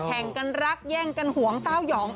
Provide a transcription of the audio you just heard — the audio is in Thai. แข่งกันรักแย่งกันหวงเต้ายอง